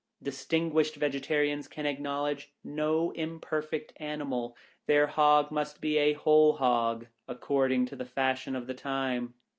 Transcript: Distinguished Vegetarians can acknowledge no imperfect animal. Their Hog must be a Whole Hog, according to the fashion of the time.